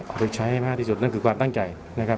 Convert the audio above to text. ต้องใช้ให้มากที่สุดนั่นคือความตั้งใจ